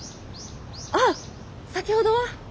ああ先ほどは。